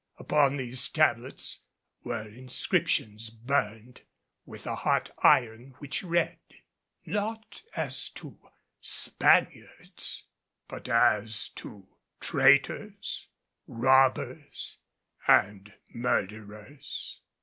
Upon these tablets were inscriptions burned with a hot iron which read: "NOT AS TO SPANIARDS, BUT AS TO TRAITORS, ROBBERS AND MURDERERS."